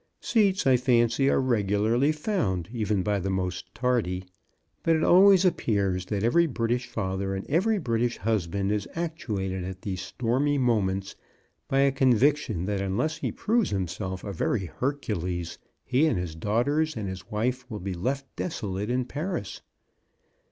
Seats, I fancy, are regularly found, even by the most tardy, but it always appears that every British father and every British hus band is actuated at these stormy moments by a conviction that unless he proves himself a very Hercules he and his daughters and his wife will be left desolate in Paris.